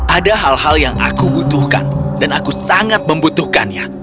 ada hal hal yang aku butuhkan dan aku sangat membutuhkannya